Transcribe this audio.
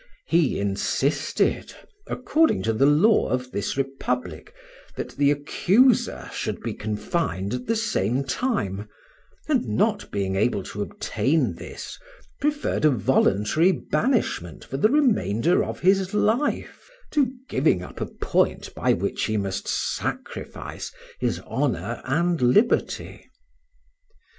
He insisted (according to the law of this republic) that the accuser should be confined at the same time; and not being able to obtain this, preferred a voluntary banishment for the remainder of his life, to giving up a point by which he must sacrifice his honor and liberty.